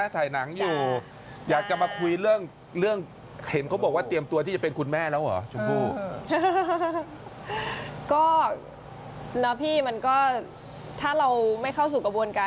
ชมผู้ถ้าเราไม่เข้าสู่กระบวนการ